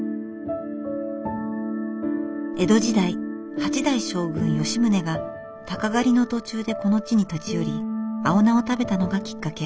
江戸時代八代将軍吉宗が鷹狩りの途中でこの地に立ち寄り青菜を食べたのがきっかけ。